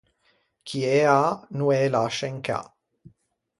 Chi ê à, no ê lasce in cà.